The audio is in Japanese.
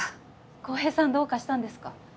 浩平さんどうかしたんですか？